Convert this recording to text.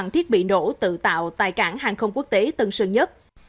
thiết bị nổ tự tạo tại cảng hàng không quốc tế tân sơn nhất